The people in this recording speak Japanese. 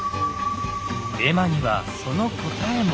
絵馬にはその答えも。